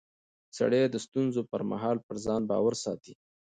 سړی د ستونزو پر مهال پر ځان باور ساتي